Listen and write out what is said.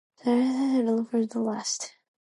All songs written by From First to Last.